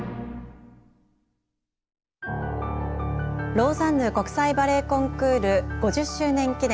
「ローザンヌ国際バレエコンクール５０周年記念